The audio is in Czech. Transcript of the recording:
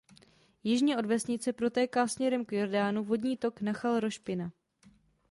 Jižně od vesnice protéká směrem k Jordánu vodní tok Nachal Roš Pina.